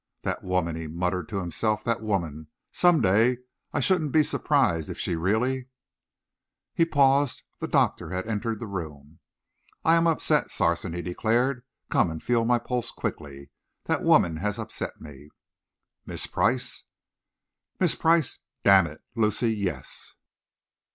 "That woman," he muttered to himself, "that woman some day I shouldn't be surprised if she really " He paused. The doctor had entered the room. "I am upset, Sarson," he declared. "Come and feel my pulse quickly. That woman has upset me." "Miss Price?" "Miss Price, d n it! Lucy yes!"